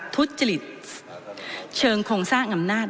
ทุจริตเชิงโครงสร้างอำนาจ